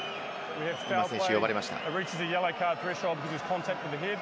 今、選手が呼ばれました。